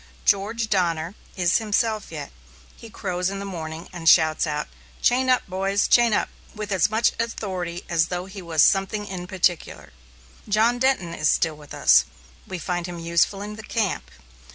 George Donner is himself yet. He crows in the morning and shouts out, "Chain up, boys! chain up!" with as much authority as though he was "something in particular." John Denton is still with us. We find him useful in the camp.